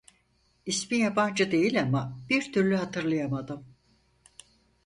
İsmi yabancı değil ama, bir türlü hatırlayamadım.